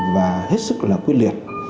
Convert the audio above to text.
và hết sức là quyết liệt